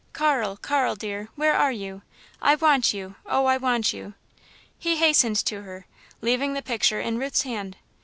"Carl, Carl, dear! Where are you? I want you oh, I want you!" He hastened to her, leaving the picture in Ruth's hand.